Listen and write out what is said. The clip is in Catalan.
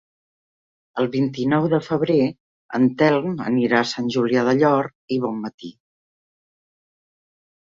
El vint-i-nou de febrer en Telm anirà a Sant Julià del Llor i Bonmatí.